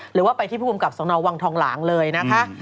หรือว่าไปที่ผู้กำกับสนวังทองหลางเลยนะคะ